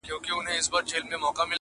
چي په کلي په مالت کي وو ښاغلی٫